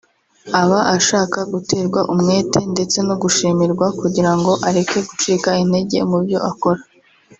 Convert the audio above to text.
Aba ashaka guterwa umwete ndetse no gushimirwa kugira ngo areke gucika intege mu byo akora